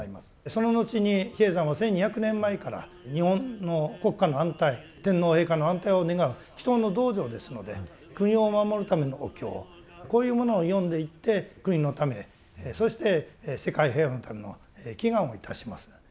その後に比叡山は１２００年前から日本の国家の安泰天皇陛下の安泰を願う祈祷の道場ですので国を守るためのお経こういうものを読んでいって国のためそして世界平和のための祈願をいたします。